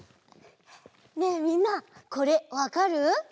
ねえみんなこれわかる？